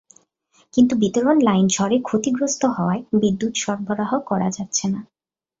কিন্তু বিতরণ লাইন ঝড়ে ক্ষতিগ্রস্ত হওয়ায় বিদ্যুৎ সরবরাহ করা যাচ্ছে না।